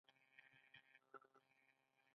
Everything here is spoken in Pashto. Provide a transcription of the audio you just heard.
دا پیښې سیلانیان راوړي.